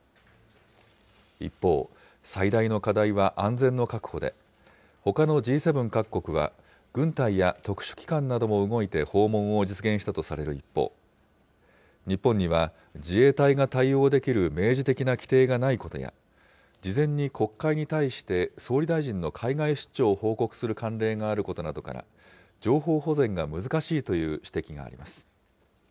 一方、最大の課題は安全の確保で、ほかのＧ７各国は、軍隊や特殊機関なども動いて訪問を実現したとされる一方、日本には、自衛隊が対応できる明示的な規定がないことや、事前に国会に対して総理大臣の海外出張を報告する慣例があることなどから、情報保全が難しいという指摘があります。